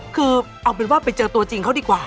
คือเอาเป็นว่าไปเจอตัวจริงเขาดีกว่า